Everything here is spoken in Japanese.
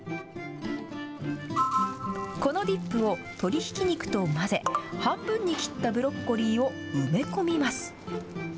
このディップを鶏ひき肉と混ぜ、半分に切ったブロッコリーを埋め込みます。